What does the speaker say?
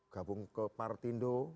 gabung ke parti indo